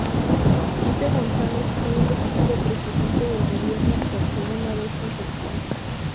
Felipe González fue investido presidente del Gobierno por segunda vez consecutiva.